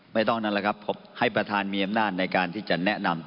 นั่นแหละครับให้ประธานมีอำนาจในการที่จะแนะนำ